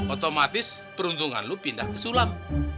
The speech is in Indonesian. otomatis peruntungan lo pindah ke sulam